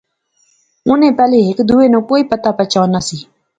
انیں پہلے ہیک دوہے ناں کوئی پتہ پچھان نہسی